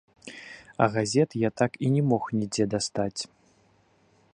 А газет я так і не мог нідзе дастаць.